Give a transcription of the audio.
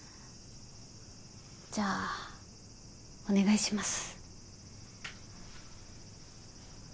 じゃあお願いします。